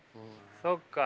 そっか。